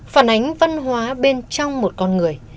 phản ánh văn hóa bên trong một con người